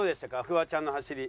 フワちゃんの走り。